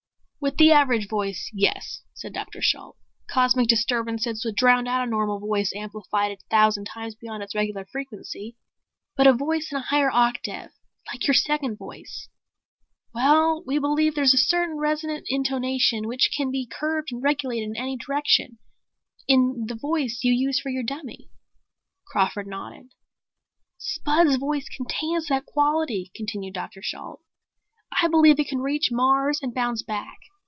"With the average voice, yes," said Dr. Shalt. "Cosmic disturbances would drown out a normal voice amplified a thousand times beyond its regular frequency. But a voice in a higher octave like your second voice ... Well, we believe there's a certain resonant intonation which can be curved and regulated in any direction, in the voice you use for your dummy." Crawford nodded. "Spud's voice contains that quality," continued Dr. Shalt. "I believe it can reach Mars and bounce back.